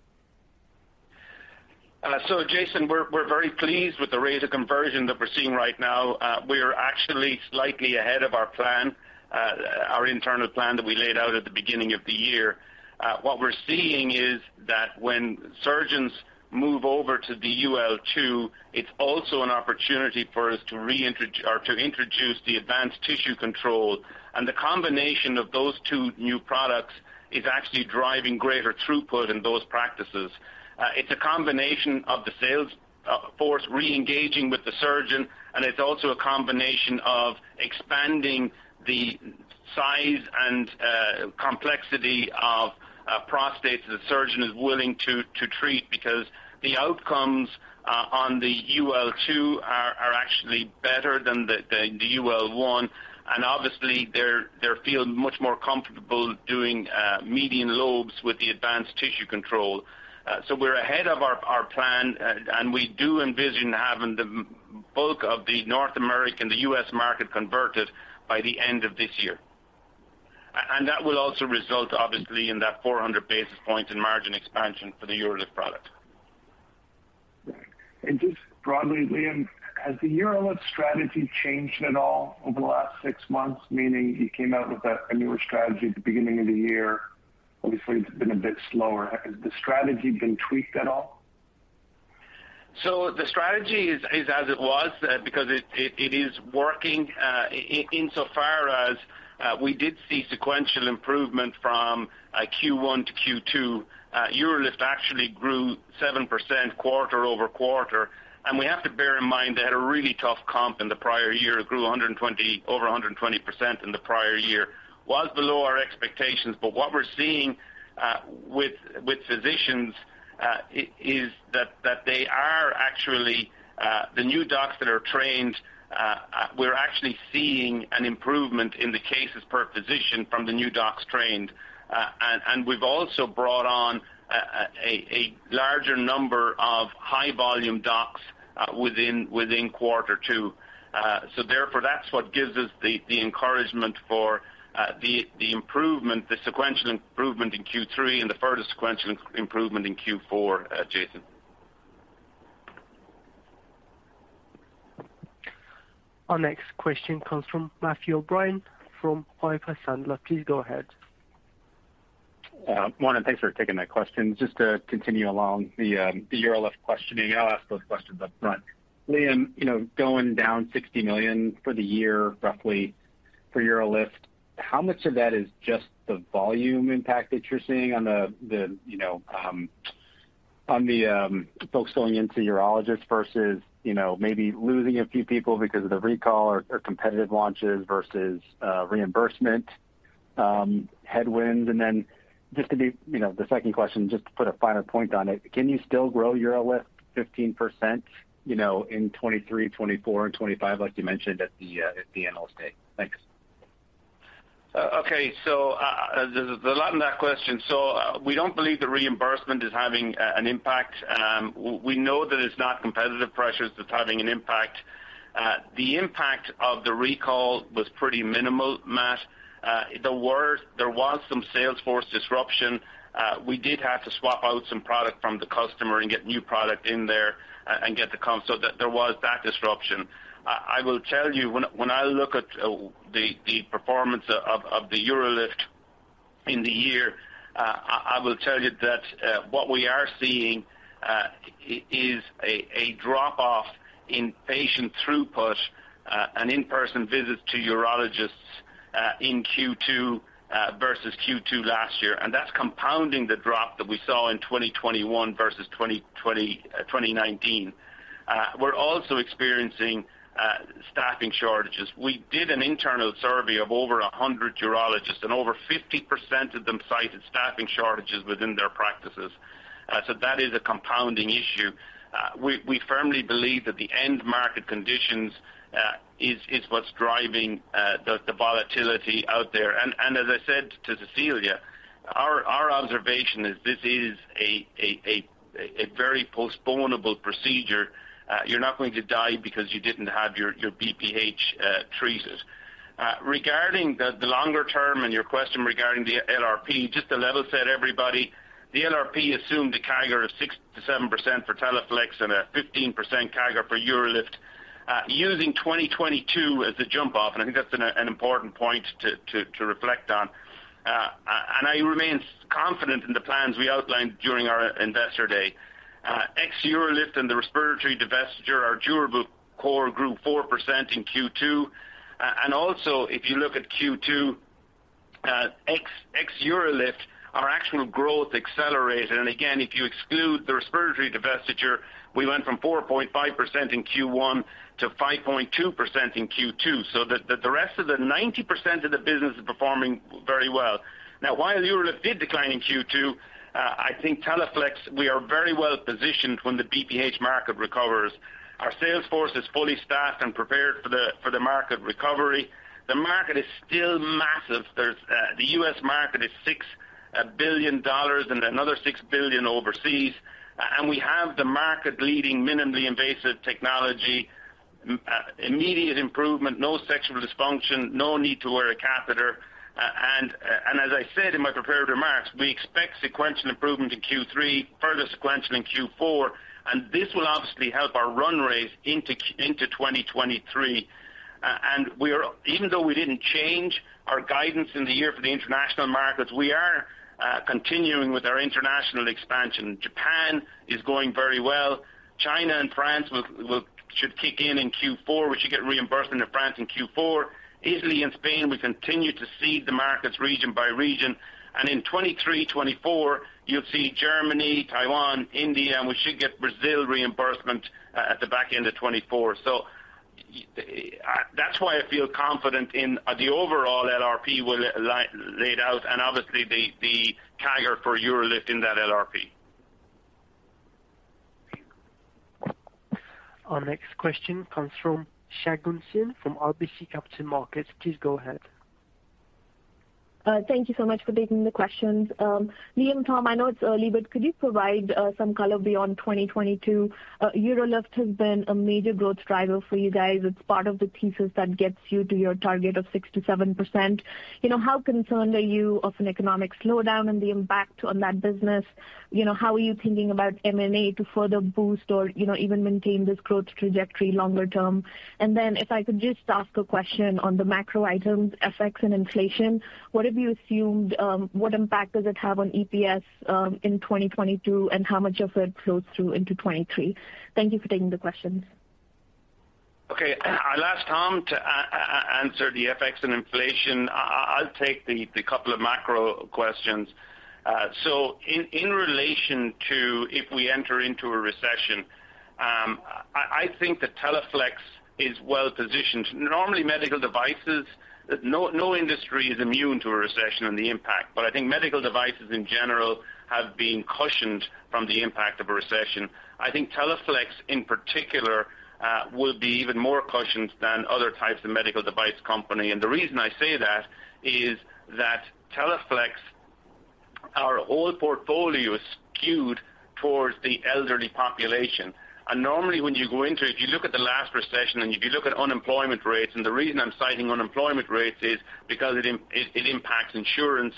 Jayson, we're very pleased with the rate of conversion that we're seeing right now. We are actually slightly ahead of our plan, our internal plan that we laid out at the beginning of the year. What we're seeing is that when surgeons move over to the UL2, it's also an opportunity for us to introduce the advanced tissue control, and the combination of those two new products is actually driving greater throughput in those practices. It's a combination of the sales force re-engaging with the surgeon, and it's also a combination of expanding the size and complexity of prostates the surgeon is willing to treat because the outcomes on the UL2 are actually better than the UL1, and obviously, they're feeling much more comfortable doing median lobes with the advanced tissue control. We're ahead of our plan, and we do envision having the bulk of the North American, the US market converted by the end of this year. That will also result, obviously, in that 400 basis points in margin expansion for the UroLift product. Right. Just broadly, Liam, has the UroLift strategy changed at all over the last six months? Meaning you came out with a newer strategy at the beginning of the year. Obviously, it's been a bit slower. Has the strategy been tweaked at all? The strategy is as it was, because it is working, insofar as we did see sequential improvement from Q1 to Q2. UroLift actually grew 7% quarter-over-quarter. We have to bear in mind they had a really tough comp in the prior year. It grew over 120% in the prior year. It was below our expectations, but what we're seeing with physicians is that they are actually the new docs that are trained, we're actually seeing an improvement in the cases per physician from the new docs trained. We've also brought on a larger number of high volume docs within quarter two. Therefore, that's what gives us the encouragement for the sequential improvement in Q3 and the further sequential improvement in Q4, Jayson. Our next question comes from Matthew O'Brien from Piper Sandler. Please go ahead. Morning. Thanks for taking my questions. Just to continue along the UroLift questioning, and I'll ask those questions up front. Liam, you know, going down $60 million for the year, roughly for UroLift, how much of that is just the volume impact that you're seeing on the, you know, on the folks going into urologists versus, you know, maybe losing a few people because of the recall or competitive launches versus, reimbursement headwinds? Just to be, you know, the second question, just to put a finer point on it, can you still grow UroLift 15%, you know, in 2023, 2024, and 2025, like you mentioned at the Analyst Day? Thanks. Okay. There's a lot in that question. We don't believe the reimbursement is having an impact. We know that it's not competitive pressures that's having an impact. The impact of the recall was pretty minimal, Matt. There was some sales force disruption. We did have to swap out some product from the customer and get new product in there and get the comp so that there was that disruption. I will tell you when I look at the performance of the UroLift in the year, I will tell you that what we are seeing is a drop-off in patient throughput and in-person visits to urologists in Q2 versus Q2 last year, and that's compounding the drop that we saw in 2021 versus 2019. We're also experiencing staffing shortages. We did an internal survey of over 100 urologists, and over 50% of them cited staffing shortages within their practices. That is a compounding issue. We firmly believe that the end market conditions is what's driving the volatility out there. As I said to Cecilia, our observation is this is a very postponable procedure. You're not going to die because you didn't have your BPH treated. Regarding the longer term and your question regarding the LRP, just to level set everybody, the LRP assumed a CAGR of 6%-7% for Teleflex and a 15% CAGR for UroLift. Using 2022 as the jump off, and I think that's an important point to reflect on. I remain confident in the plans we outlined during our Investor Day. Ex UroLift and the respiratory divestiture, our durable core grew 4% in Q2. If you look at Q2, ex UroLift, our actual growth accelerated. Again, if you exclude the respiratory divestiture, we went from 4.5% in Q1 to 5.2% in Q2. The rest of the 90% of the business is performing very well. Now while UroLift did decline in Q2, I think Teleflex, we are very well positioned when the BPH market recovers. Our sales force is fully staffed and prepared for the market recovery. The market is still massive. There's the US market is $6 billion and another $6 billion overseas. We have the market-leading minimally invasive technology, immediate improvement, no sexual dysfunction, no need to wear a catheter. And as I said in my prepared remarks, we expect sequential improvement in Q3, further sequential in Q4, and this will obviously help our run rate into 2023. Even though we didn't change our guidance in the year for the international markets, we are continuing with our international expansion. Japan is going very well. China and France should kick in in Q4. We should get reimbursement in France in Q4. Italy and Spain, we continue to seed the markets region by region. In 2023, 2024, you'll see Germany, Taiwan, India, and we should get Brazil reimbursement at the back end of 2024. That's why I feel confident in the overall LRP we laid out and obviously the CAGR for UroLift in that LRP. Our next question comes from Shagun Singh from RBC Capital Markets. Please go ahead. Thank you so much for taking the questions. Liam, Tom, I know it's early, but could you provide some color beyond 2022? UroLift has been a major growth driver for you guys. It's part of the thesis that gets you to your target of 6%-7%. You know, how concerned are you of an economic slowdown and the impact on that business? You know, how are you thinking about M&A to further boost or, you know, even maintain this growth trajectory longer term? If I could just ask a question on the macro items, FX and inflation, what have you assumed, what impact does it have on EPS, in 2022, and how much of it flows through into 2023? Thank you for taking the questions. Okay. I'll ask Tom to answer the FX and inflation. I'll take the couple of macro questions. In relation to if we enter into a recession, I think that Teleflex is well positioned. No industry is immune to a recession and the impact, but I think medical devices in general have been cushioned from the impact of a recession. I think Teleflex in particular will be even more cushioned than other types of medical device company. The reason I say that is that Teleflex, our whole portfolio is skewed towards the elderly population. Normally, when you go into it, if you look at the last recession, and if you look at unemployment rates, and the reason I'm citing unemployment rates is because it impacts insurance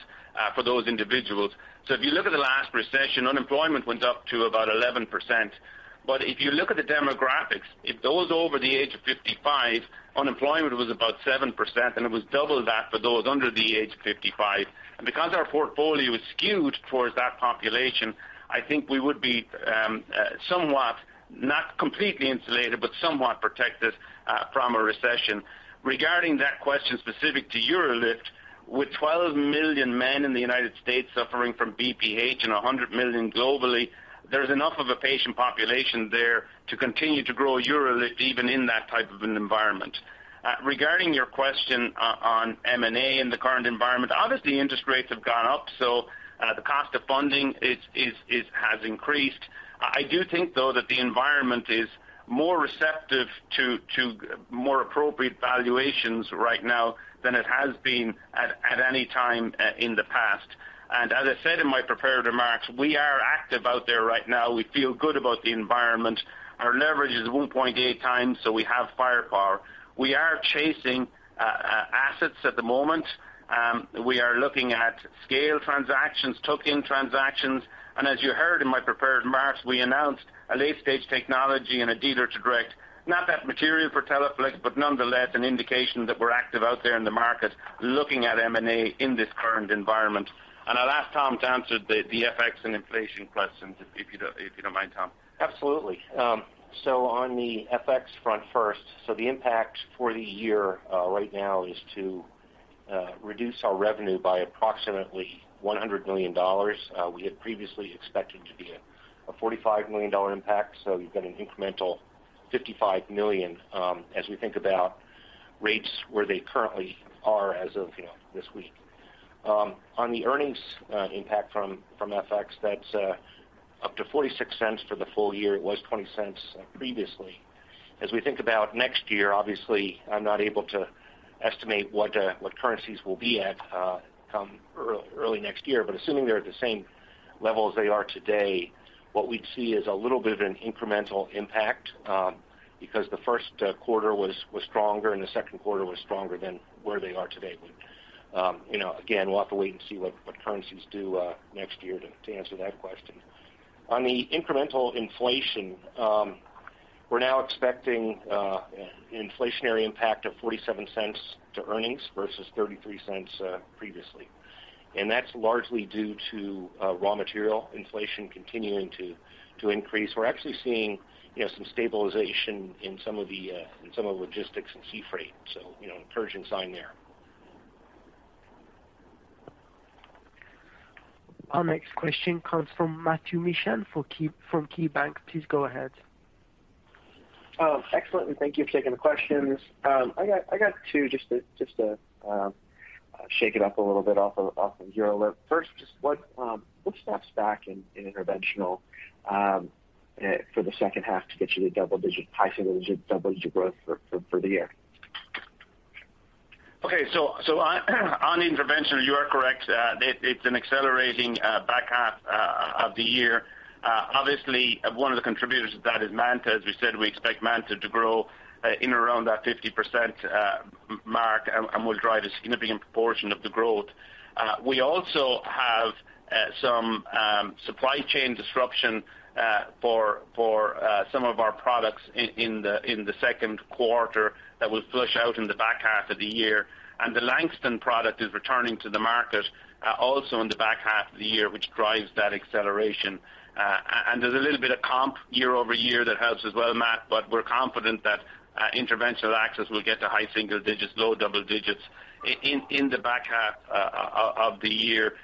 for those individuals. If you look at the last recession, unemployment went up to about 11%. If you look at the demographics, if those over the age of 55, unemployment was about 7%, and it was double that for those under the age of 55. Because our portfolio is skewed towards that population, I think we would be, somewhat, not completely insulated, but somewhat protected, from a recession. Regarding that question specific to UroLift, with 12 million men in the United States suffering from BPH and 100 million globally, there's enough of a patient population there to continue to grow UroLift even in that type of an environment. Regarding your question on M&A in the current environment, obviously interest rates have gone up, so, the cost of funding has increased. I do think, though, that the environment is more receptive to more appropriate valuations right now than it has been at any time in the past. As I said in my prepared remarks, we are active out there right now. We feel good about the environment. Our leverage is 1.8x, so we have firepower. We are chasing assets at the moment. We are looking at scale transactions, tuck-in transactions. As you heard in my prepared remarks, we announced a late-stage technology in a distributor-to-direct. Not that material for Teleflex, but nonetheless an indication that we're active out there in the market looking at M&A in this current environment. I'll ask Tom to answer the FX and inflation questions if you don't mind, Tom. Absolutely. On the FX front first, so the impact for the year right now is to reduce our revenue by approximately $100 million. We had previously expected to be a $45 million impact. You've got an incremental $55 million, as we think about rates where they currently are as of, you know, this week. On the earnings impact from FX, that's up to $0.46 for the full-year. It was $0.20 previously. As we think about next year, obviously, I'm not able to estimate what currencies will be at come early next year. Assuming they're at the same level as they are today, what we'd see is a little bit of an incremental impact, because the first quarter was stronger and the second quarter was stronger than where they are today. You know, again, we'll have to wait and see what currencies do next year to answer that question. On the incremental inflation, we're now expecting inflationary impact of $0.47 to earnings versus $0.33 previously. That's largely due to raw material inflation continuing to increase. We're actually seeing, you know, some stabilization in some of the logistics and sea freight. You know, encouraging sign there. Our next question comes from Matthew Mishan from KeyBanc. Please go ahead. Oh, excellent, thank you for taking the questions. I got two just to shake it up a little bit off of UroLift. First, just what snaps back in interventional for the second half to get you to double-digit, high single-digit, double-digit growth for the year? On interventional, you are correct. It's an accelerating back half of the year. Obviously, one of the contributors to that is MANTA. As we said, we expect MANTA to grow in around that 50% mark and will drive a significant proportion of the growth. We also have some supply chain disruption for some of our products in the second quarter that will flush out in the back half of the year. The Langston product is returning to the market also in the back half of the year, which drives that acceleration. There's a little bit of comp year-over-year that helps as well, Matt, but we're confident that interventional access will get to high single digits, low double digits in the back half of the year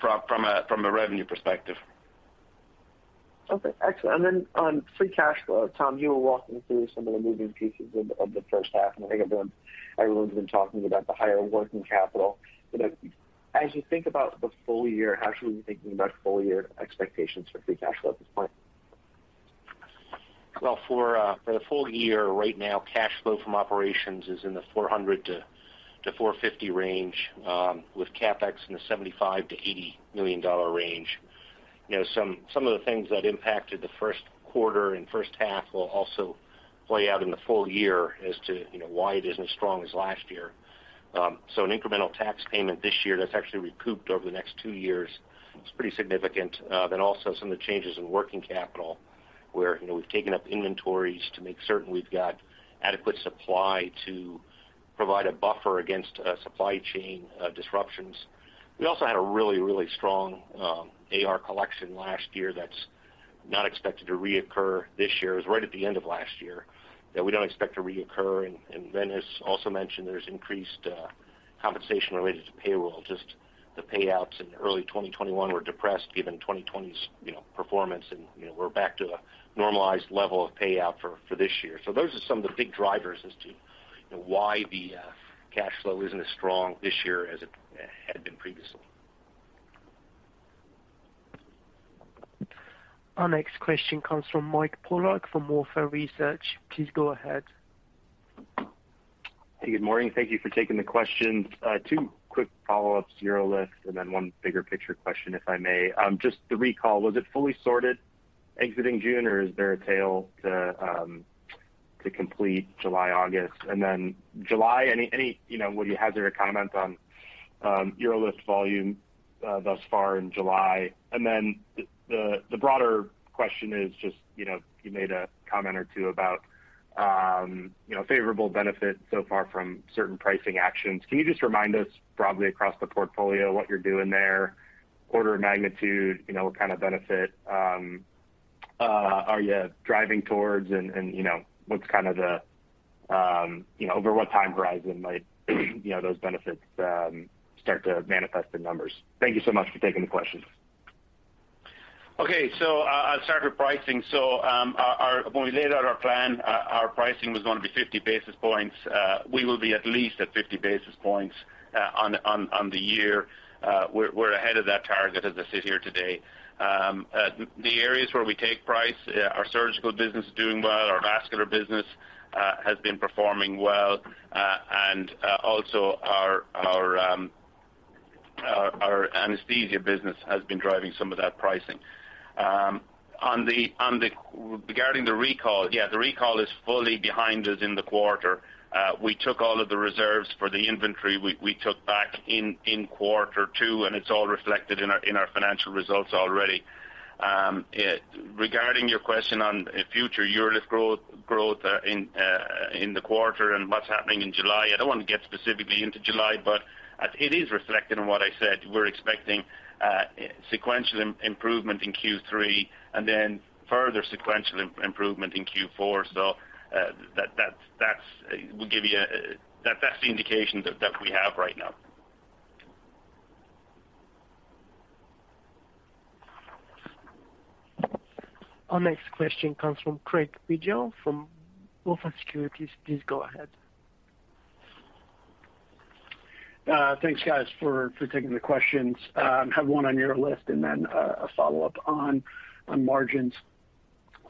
from a revenue perspective. Okay. Excellent. On free cash flow, Tom, you were walking through some of the moving pieces of the first half, and I think everyone's been talking about the higher working capital. You know, as you think about the full-year, how should we be thinking about full-year expectations for free cash flow at this point? Well, for the full-year right now, cash flow from operations is in the $400-$450 range, with CapEx in the $75 million-$80 million range. You know, some of the things that impacted the first quarter and first half will also play out in the full-year as to, you know, why it isn't as strong as last year. An incremental tax payment this year that's actually recouped over the next two years is pretty significant. Then also some of the changes in working capital, where, you know, we've taken up inventories to make certain we've got adequate supply to provide a buffer against, supply chain, disruptions. We also had a really strong, AR collection last year that's not expected to reoccur this year. It was right at the end of last year that we don't expect to reoccur. Venice also mentioned there's increased compensation related to payroll. Just the payouts in early 2021 were depressed given 2020's, you know, performance. You know, we're back to a normalized level of payout for this year. Those are some of the big drivers as to, you know, why the cash flow isn't as strong this year as it had been previously. Our next question comes from Mike Polark from Wolfe Research. Please go ahead. Hey, good morning. Thank you for taking the questions. Two quick follow-ups, UroLift, and then one bigger picture question, if I may. Just the recall, was it fully sorted exiting June, or is there a tail to complete July, August? And then July, any, you know, would you hazard a comment on UroLift volume thus far in July? And then the broader question is just, you know, you made a comment or two about, you know, favorable benefits so far from certain pricing actions. Can you just remind us broadly across the portfolio, what you're doing there? Order of magnitude, you know, what kind of benefit are you driving towards and, you know, what's kind of the over what time horizon might, you know, those benefits start to manifest the numbers? Thank you so much for taking the questions. Okay. I'll start with pricing. When we laid out our plan, our pricing was gonna be 50 basis points. We will be at least at 50 basis points on the year. We're ahead of that target as I sit here today. The areas where we take price, our surgical business is doing well, our vascular business has been performing well, and also our anesthesia business has been driving some of that pricing. Regarding the recall, yeah, the recall is fully behind us in the quarter. We took all of the reserves for the inventory. We took back in quarter two, and it's all reflected in our financial results already. Regarding your question on future UroLift growth in the quarter and what's happening in July, I don't want to get specifically into July, but it is reflected on what I said. We're expecting sequential improvement in Q3 and then further sequential improvement in Q4. That's the indication that we have right now. Our next question comes from Craig Bijou from BofA Securities. Please go ahead. Thanks guys for taking the questions. I have one on your list and then a follow-up on margins.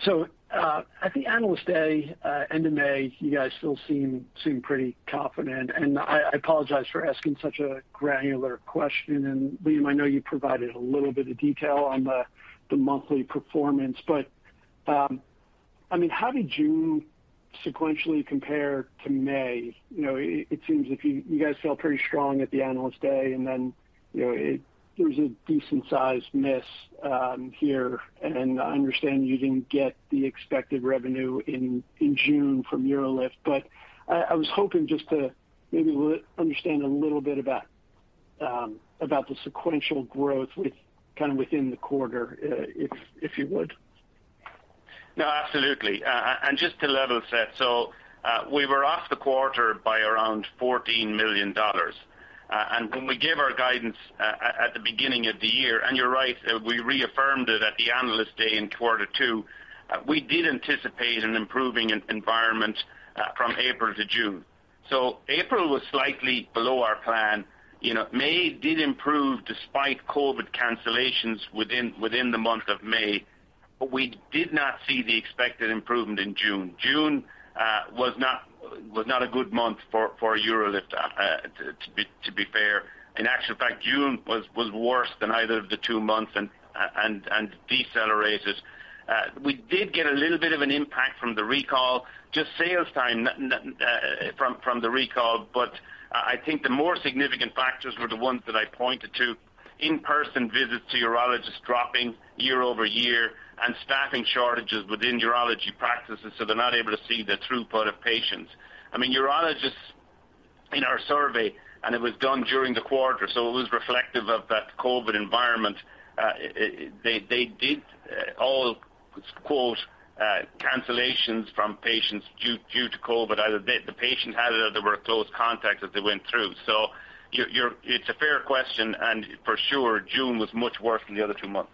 At the Analyst Day end of May, you guys still seem pretty confident. I apologize for asking such a granular question. Liam, I know you provided a little bit of detail on the monthly performance. I mean, how did June sequentially compare to May? You know, it seems if you guys felt pretty strong at the Analyst Day, and then, you know, there's a decent sized miss here. I understand you didn't get the expected revenue in June from UroLift. I was hoping just to maybe we'll understand a little bit about the sequential growth within the quarter, if you would. No, absolutely. Just to level set, we were off the quarter by around $14 million. When we gave our guidance at the beginning of the year, and you're right, we reaffirmed it at the Analyst Day in quarter two, we did anticipate an improving environment from April to June. April was slightly below our plan. You know, May did improve despite COVID cancellations within the month of May. We did not see the expected improvement in June. June was not a good month for UroLift, to be fair. In actual fact, June was worse than either of the two months and decelerated. We did get a little bit of an impact from the recall, just sales time, from the recall. I think the more significant factors were the ones that I pointed to, in-person visits to urologists dropping year-over-year and staffing shortages within urology practices, so they're not able to see the throughput of patients. I mean, urologists in our survey, and it was done during the quarter, so it was reflective of that COVID environment. They all quote "cancellations from patients due to COVID." Either the patient had it or they were close contacts as they went through. It's a fair question, and for sure, June was much worse than the other two months.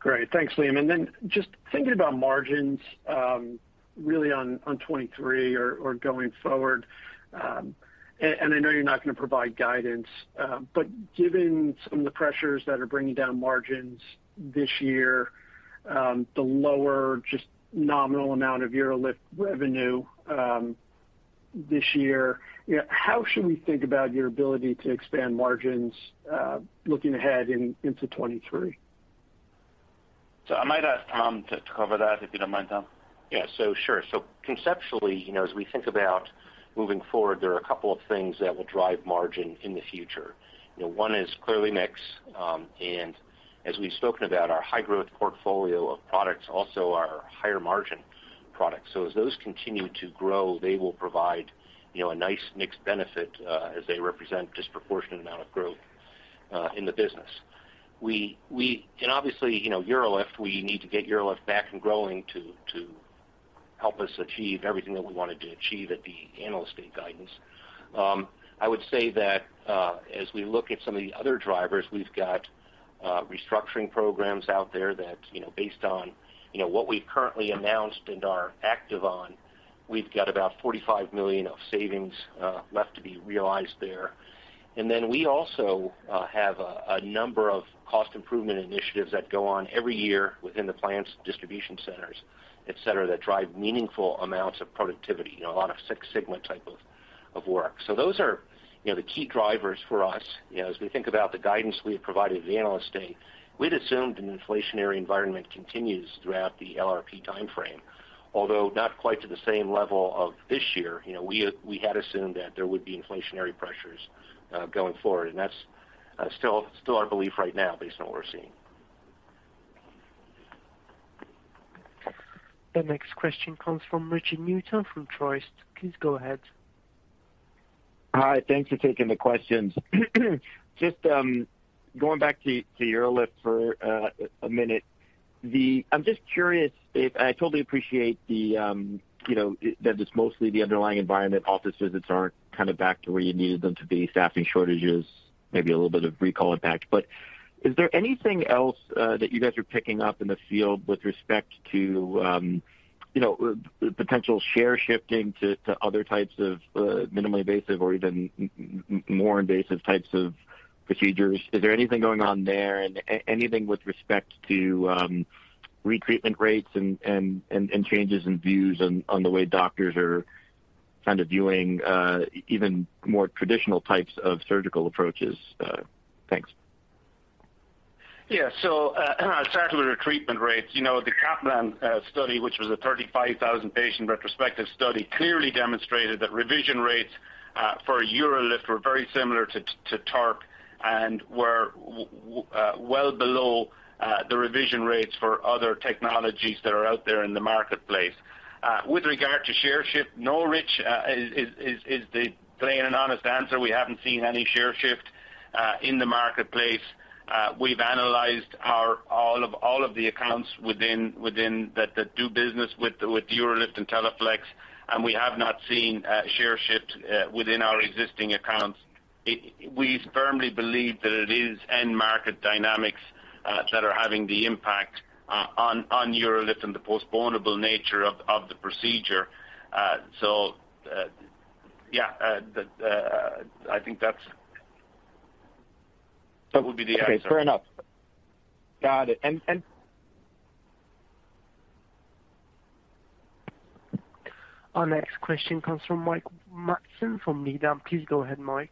Great. Thanks, Liam. Just thinking about margins, really on 2023 or going forward, and I know you're not gonna provide guidance. But given some of the pressures that are bringing down margins this year, the lower just nominal amount of UroLift revenue this year, you know, how should we think about your ability to expand margins, looking ahead into 2023? I might ask Tom to cover that, if you don't mind, Tom. Conceptually, you know, as we think about moving forward, there are a couple of things that will drive margin in the future. You know, one is clearly mix. And as we've spoken about our high-growth portfolio of products, also our higher margin products. So as those continue to grow, they will provide, you know, a nice mixed benefit, as they represent disproportionate amount of growth in the business. And obviously, you know, UroLift, we need to get UroLift back and growing to help us achieve everything that we wanted to achieve at the Analyst Day guidance. I would say that, as we look at some of the other drivers, we've got restructuring programs out there that, you know, based on, you know, what we've currently announced and are active on. We've got about $45 million of savings left to be realized there. We also have a number of cost improvement initiatives that go on every year within the plants, distribution centers, et cetera, that drive meaningful amounts of productivity. You know, a lot of Six Sigma type of work. Those are, you know, the key drivers for us. You know, as we think about the guidance we had provided at the Analyst Day, we'd assumed an inflationary environment continues throughout the LRP timeframe, although not quite to the same level of this year. You know, we had assumed that there would be inflationary pressures going forward, and that's still our belief right now based on what we're seeing. The next question comes from Richard Newitter from Truist. Please go ahead. Hi. Thanks for taking the questions. Just going back to UroLift for a minute. I'm just curious if I totally appreciate the, you know, that it's mostly the underlying environment. Office visits aren't kind of back to where you needed them to be, staffing shortages, maybe a little bit of recall impact. But is there anything else that you guys are picking up in the field with respect to, you know, potential share shifting to other types of minimally invasive or even more invasive types of procedures? Is there anything going on there and anything with respect to retreatment rates and changes in views on the way doctors are kind of viewing even more traditional types of surgical approaches? Thanks. Yeah. Starting with the treatment rates, you know, the Kaplan-Meier study, which was a 35,000 patient retrospective study, clearly demonstrated that revision rates for UroLift were very similar to TURP and were well below the revision rates for other technologies that are out there in the marketplace. With regard to share shift, no, Richard, is the plain and honest answer. We haven't seen any share shift in the marketplace. We've analyzed all of the accounts within that do business with UroLift and Teleflex, and we have not seen share shift within our existing accounts. We firmly believe that it is end market dynamics that are having the impact on UroLift and the postponable nature of the procedure. Yeah, I think that's. That would be the answer. Okay. Fair enough. Got it. Our next question comes from Mike Matson from Needham. Please go ahead, Mike.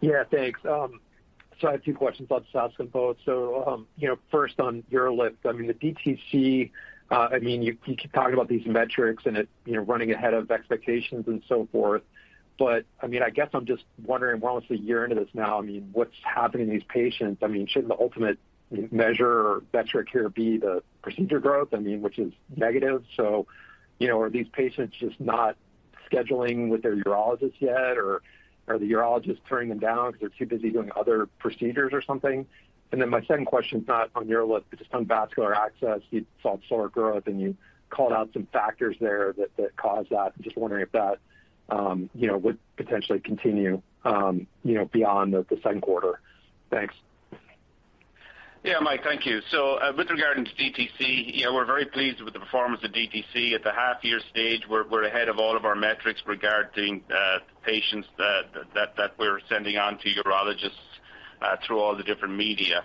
Yeah, thanks. I have two questions. I'll just ask them both. You know, first on UroLift. I mean, the DTC. I mean, you keep talking about these metrics and you know running ahead of expectations and so forth. I mean, I guess I'm just wondering. We're almost a year into this now. I mean, what's happening to these patients? I mean, shouldn't the ultimate measure or metric here be the procedure growth? I mean, which is negative. You know, are these patients just not scheduling with their urologists yet? Or are the urologists turning them down because they're too busy doing other procedures or something? Then my second question is not on UroLift, but just on Vascular Access. You saw slower growth, and you called out some factors there that caused that. I'm just wondering if that, you know, would potentially continue, you know, beyond the second quarter? Thanks. Yeah, Mike, thank you. With regard to DTC, yeah, we're very pleased with the performance of DTC. At the half-year stage, we're ahead of all of our metrics regarding patients that we're sending on to urologists through all the different media.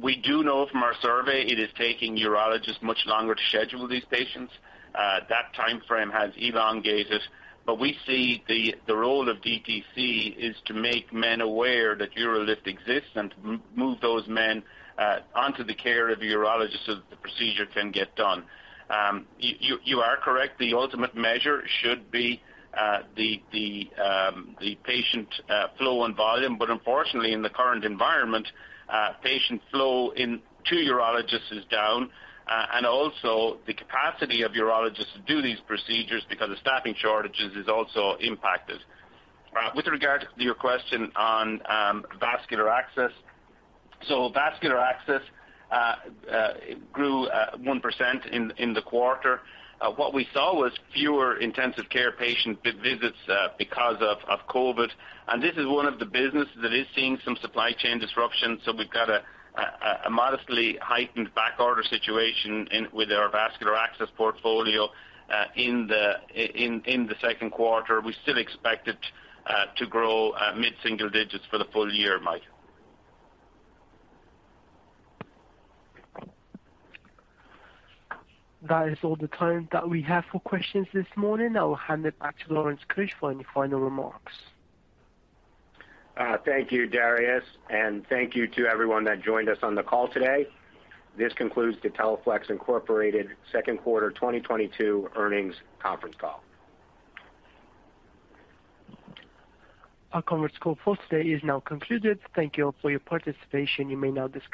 We do know from our survey, it is taking urologists much longer to schedule these patients. That timeframe has elongated. We see the role of DTC is to make men aware that UroLift exists and to move those men onto the care of the urologist so that the procedure can get done. You are correct. The ultimate measure should be the patient flow and volume. Unfortunately in the current environment, patient flow in to urologists is down. The capacity of urologists to do these procedures because of staffing shortages is also impacted. With regard to your question on Vascular Access. Vascular Access grew 1% in the quarter. What we saw was fewer intensive care patient visits because of COVID. This is one of the businesses that is seeing some supply chain disruption. We've got a modestly heightened backorder situation with our Vascular Access portfolio in the second quarter. We still expect it to grow mid-single digits% for the full-year, Mike. That is all the time that we have for questions this morning. I will hand it back to Lawrence Keusch for any final remarks. Thank you, Darius, and thank you to everyone that joined us on the call today. This concludes the Teleflex Incorporated second quarter 2022 earnings conference call. Our conference call for today is now concluded. Thank you all for your participation. You may now disconnect.